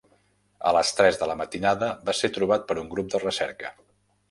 A les tres de la matinada va ser trobat per un grup de recerca.